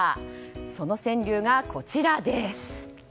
その川柳がこちらです。